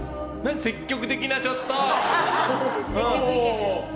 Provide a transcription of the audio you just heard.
積極的なちょっと！